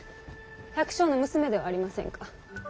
百姓の娘ではありませんか。